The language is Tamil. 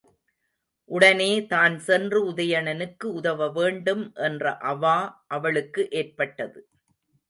உடனே தான் சென்று உதயணனுக்கு உதவவேண்டும் என்ற அவா அவளுக்கு ஏற்பட்டது.